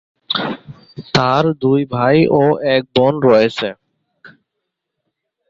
তার দুই ভাই ও এক বোন রয়েছে।